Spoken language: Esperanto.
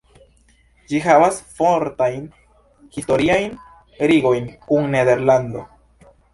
Ĝi havas fortajn historiajn ligojn kun Nederlando.